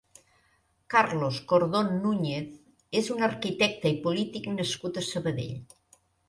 Carlos Cordón Núñez és un arquitecte i polític nascut a Sabadell.